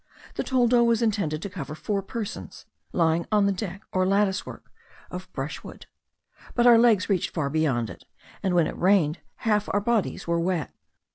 The toldo was intended to cover four persons, lying on the deck or lattice work of brush wood; but our legs reached far beyond it, and when it rained half our bodies were wet.